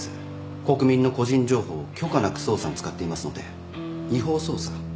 国民の個人情報を許可なく捜査に使っていますので違法捜査。